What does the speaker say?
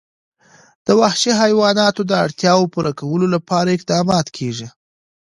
د وحشي حیواناتو د اړتیاوو پوره کولو لپاره اقدامات کېږي.